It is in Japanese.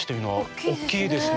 大きいですね。